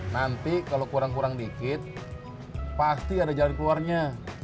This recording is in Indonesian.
nanti kalau kurang kurang dikit pasti ada jalan keluarnya